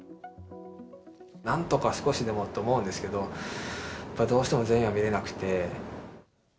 なんとか少しでもって思うんですけど、やっぱりどうしても全員は診れなくて。